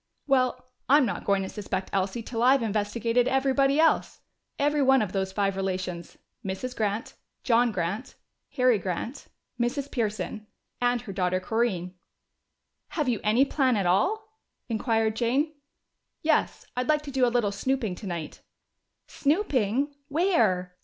"Well, I'm not going to suspect Elsie till I've investigated everybody else. Every one of those five relations Mrs. Grant, John Grant, Harry Grant, Mrs. Pearson, and her daughter Corinne!" "Have you any plan at all?" inquired Jane. "Yes, I'd like to do a little snooping tonight." "Snooping? Where?